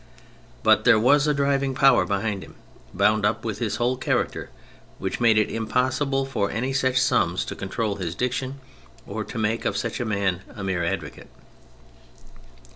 But there was a driving power behind him, bound up with his whole character, which made it impossible for any such sums to control his diction or to make of such a man a mere advocate.